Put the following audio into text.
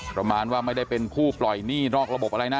ประมาณว่าไม่ได้เป็นผู้ปล่อยหนี้นอกระบบอะไรนะ